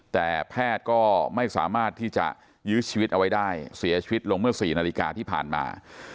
แต่แพทย์ก็ไม่สามารถที่จะยื้อชีวิตเอาไว้ได้เสียชีวิตลงเมื่อ๔นาฬิกาที่ผ่านมา